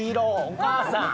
お母さん。